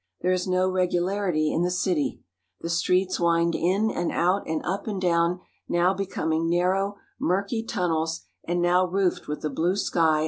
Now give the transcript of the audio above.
There is no regularity in the city. The streets wind in and out and up and down, now becoming narrow, murky tunnels, and now roofed with the blue sky of Palestine.